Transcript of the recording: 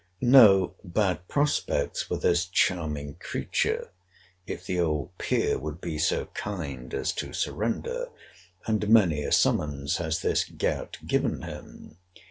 No bad prospects for this charming creature, if the old peer would be so kind as to surrender; and many a summons has this gout given him.